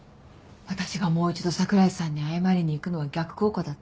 私がもう一度櫻井さんに謝りに行くのは逆効果だって。